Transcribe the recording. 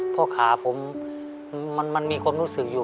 เพราะขาผมมันมีความรู้สึกอยู่